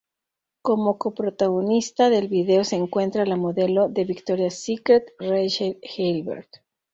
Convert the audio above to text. Como co-protagonista del vídeo se encuentra la modelo de Victoria's Secret, Rachel Hilbert.